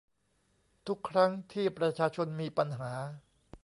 ทุกครั้งที่ประชาชนมีปัญหา